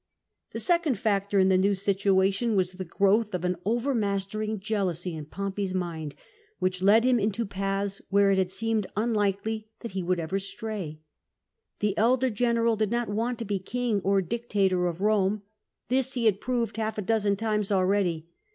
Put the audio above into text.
The second factor in C ^SAR AND POMPEY ESTRANGED 275 the new situation was the growth of an overmastering jealousy in Pompey's mind, which led him into paths where it had seemed unlikely that he would ever stray. The elder general did not want to be king or dictator of Rome; this he had proved half a dozen times already.